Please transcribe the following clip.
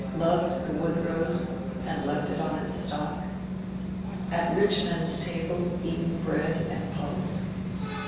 Loved the wood rose, and left it on its stalk ? At rich men's tables eaten bread and pulse